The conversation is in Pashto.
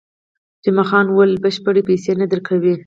جمعه خان وویل، بشپړې پیسې نه درکوي.